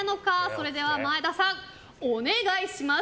それでは前田さん、お願いします。